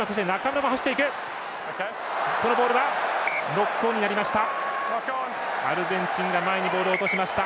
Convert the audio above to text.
ノックオンになりました。